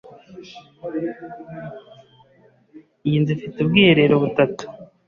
Iyi nzu ifite ubwiherero butatu.